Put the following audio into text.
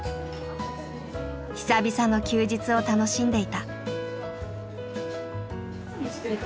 久々の休日を楽しんでいた。